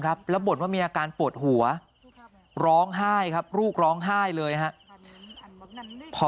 แล้วบ่นว่ามีอาการปวดหัวร้องไห้ครับลูกร้องไห้เลยครับพอ